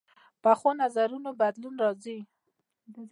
پخو نظرونو بدلون راځي